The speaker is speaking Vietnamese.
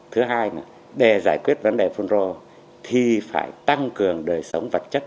thứ hai là để giải quyết vấn đề phun rô thì phải tăng cường đời sống vật chất